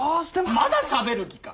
まだしゃべる気か。